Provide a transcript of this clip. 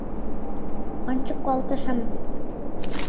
Ончо, колтышым.